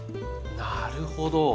なるほど。